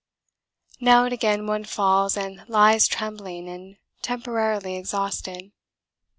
Now and again one falls and lies trembling and temporarily exhausted.